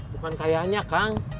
bukan kayaknya kang